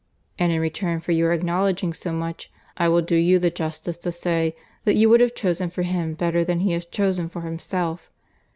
"And, in return for your acknowledging so much, I will do you the justice to say, that you would have chosen for him better than he has chosen for himself.